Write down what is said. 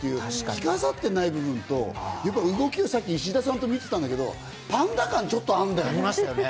着飾ってないっていうことと、動きをさっき石田さんと見てたんだけど、パンダ感ちょっとあるんだよね。